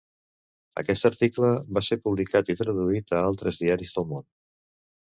Aquest article va ser publicat i traduït a altres diaris del món.